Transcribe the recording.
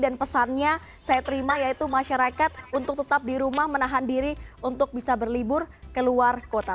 dan pesannya saya terima yaitu masyarakat untuk tetap di rumah menahan diri untuk bisa berlibur ke luar kota